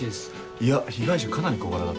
いや被害者かなり小柄だったな。